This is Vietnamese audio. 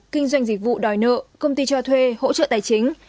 kinh doanh dịch vụ đòi nợ công ty cho thuê hỗ trợ tài chính